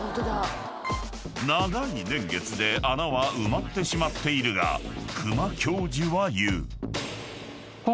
［長い年月で穴は埋まってしまっているが久間教授は言う］